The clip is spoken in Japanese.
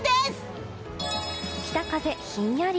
北風ひんやり。